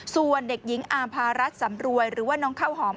ส่วนเด็กหญิงอาภารัฐสำรวยหรือว่าน้องข้าวหอม